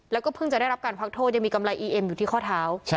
แล้วก็เพิ่งจะได้รับการพักโทษยังมีกำไรอีเอ็มอยู่ที่ข้อเท้า